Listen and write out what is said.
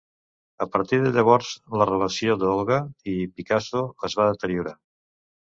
A partir de llavors, la relació d'Olga i Picasso es va deteriorar.